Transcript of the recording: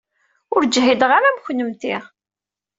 Ur ǧhideɣ ara am kennemti.